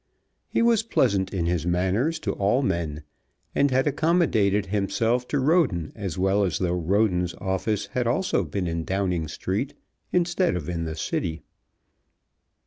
He was pleasant in his manners to all men, and had accommodated himself to Roden as well as though Roden's office had also been in Downing Street instead of the City.